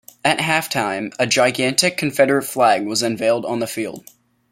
At halftime, a gigantic Confederate flag was unveiled on the field.